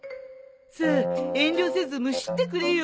さあ遠慮せずむしってくれよ。